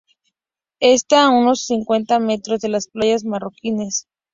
Está a unos cincuenta metros de las playas marroquíes.